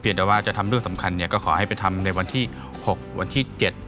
แต่ว่าจะทำเรื่องสำคัญเนี่ยก็ขอให้ไปทำในวันที่๖วันที่๗